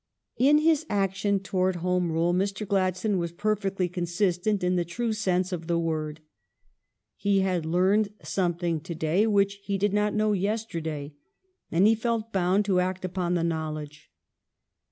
In his action toward Home Rule Mr. Gladstone was perfectly consistent in the true sense of the word. He had learned something to day which he did not know yesterday, and he felt bound to act upon the knowledge.